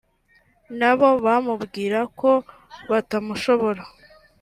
nabo bamubwira ko batamushobora